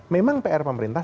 memang pr pemerintah